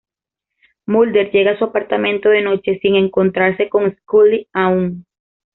Mulder llega a su apartamento de noche, sin encontrarse con Scully aún.